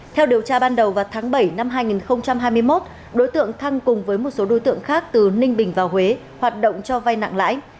theo điều tra ban đầu vào tháng bảy năm hai nghìn hai mươi một đối tượng thăng cùng với một số đối tượng khác từ ninh bình vào huế hoạt động cho vay nặng lãi